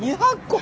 ２００個！？